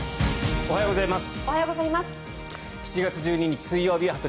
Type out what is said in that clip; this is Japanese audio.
おはようございます。